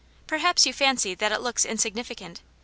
Perhaps you fancy that it looks insig* nificant.